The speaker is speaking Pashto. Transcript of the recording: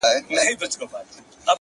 زموږ پر زخمونو یې همېش زهرپاشي کړې ده ـ